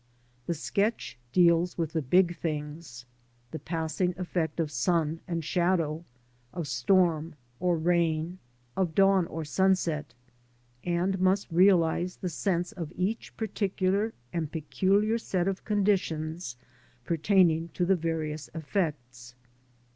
The sketch deals with the big things, the passing effect of sun and shadow, of storm or rain, of dawn or sunset, and must realise the sense of each particular and peculiar set of conditions pertaining to the various effects.